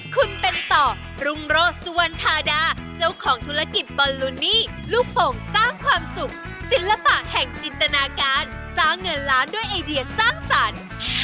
คุณเป็นต่อรุงโรสสุวรรณธาดาเจ้าของธุรกิจบอลลูนี่ลูกโป่งสร้างความสุขศิลปะแห่งจินตนาการสร้างเงินล้านด้วยไอเดียสร้างสรรค์